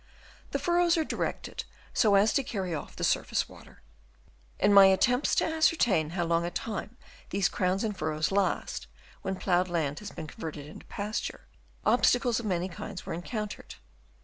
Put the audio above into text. The furrows are directed so as to carry off the surface water. In my attempts to ascertain how long a time these crowns and furrows last, when ploughed land has been converted into' pasture, obstacles of many kinds were encountered.